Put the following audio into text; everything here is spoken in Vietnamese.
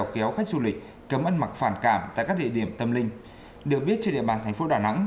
kéo khách du lịch cấm ăn mặc phản cảm tại các địa điểm tâm linh được biết trên địa bàn thành phố đà nẵng